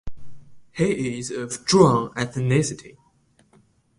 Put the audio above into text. He is of Zhuang ethnicity.